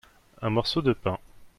Un morceau de pain.